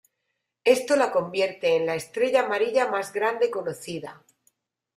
Esto la convierte en la estrella amarilla más grande conocida.